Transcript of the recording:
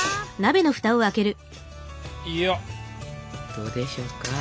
どうでしょうか？